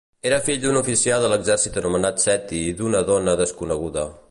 Era fill d'un oficial de l'exèrcit anomenat Seti i d'una dona desconeguda.